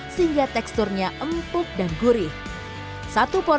sehingga teksturnya bisa dikocok